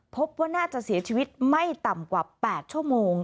พบว่าน่าจะเสียชีวิตไม่ต่ำกว่า๘ชั่วโมง